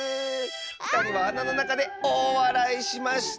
ふたりはあなのなかでおおわらいしました」。